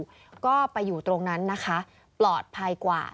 แล้วก็ไปอยู่ตรงนั้นนะคะปลอดภัยกว่า